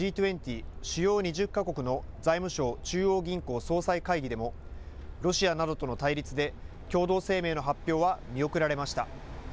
主要２０か国の財務相・中央銀行総裁会議でもロシアなどとの対立で共同声明の発表は見送られました。